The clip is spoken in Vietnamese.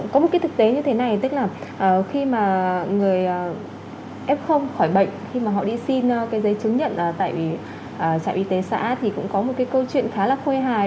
có một cái thực tế như thế này tức là khi mà người f khỏi bệnh khi mà họ đi xin cái giấy chứng nhận tại trạm y tế xã thì cũng có một cái câu chuyện khá là khôi hài